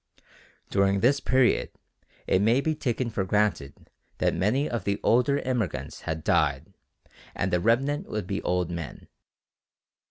During this period it may be taken for granted that many of the older immigrants had died and the remnant would be old men.